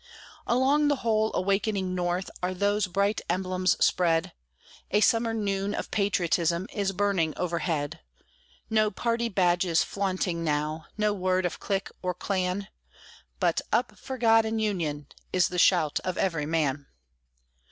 Along the whole awakening North are those bright emblems spread; A summer noon of patriotism is burning overhead: No party badges flaunting now, no word of clique or clan; But "Up for God and Union!" is the shout of every man.